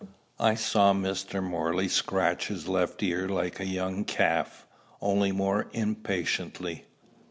I saw Mr. Morley scratch his left ear like a young calf, only more impatiently.